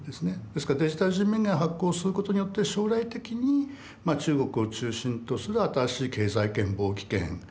ですからデジタル人民元を発行することによって将来的に中国を中心とする新しい経済圏貿易圏通貨圏を作っていくと。